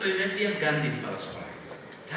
loyolnya dia ganti kepala sekolah